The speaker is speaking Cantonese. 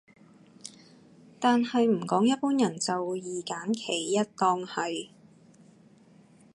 但係唔講一般人就會二擇其一當係